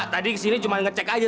tadi kesini cuma ngecek aja